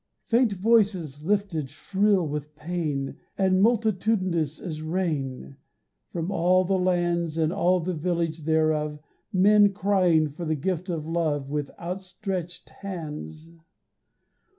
Faint voices lifted shrill with pain And multitudinous as rain; From all the lands And all the villages thereof Men crying for the gift of love With outstretched hands.